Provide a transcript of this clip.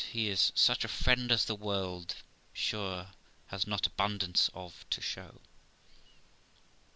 He is such a friend as the world, sure, has not abundance of to show.'